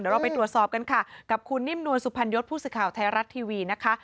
เดี๋ยวเราไปตรวจสอบกันค่ะกับคุณนิ่มนวลสุพันยศพูดสิทธิ์ข่าวไทยรัตน์ทีวีนะคะ